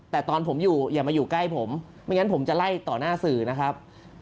แต่ตอนผมอยู่อย่ามาอยู่ใกล้ผมไม่งั้นผมจะไล่ต่อหน้าสื่อนะครับ